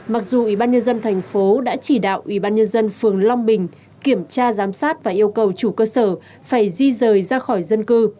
mặc dù ủy ban nhân dân thành phố đã chỉ đạo ủy ban nhân dân phường long bình kiểm tra giám sát và yêu cầu chủ cơ sở phải di rời ra khỏi dân cư